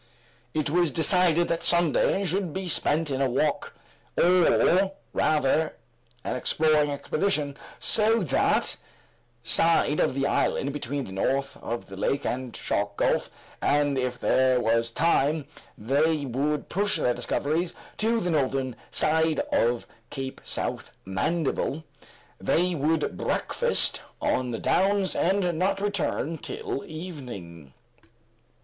It was decided that Sunday should be spent in a walk, or rather an exploring expedition, to that side of the island between the north of the lake and Shark Gulf, and if there was time they would push their discoveries to the northern side of Cape South Mandible. They would breakfast on the downs, and not return till evening.